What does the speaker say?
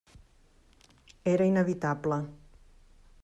Era inevitable.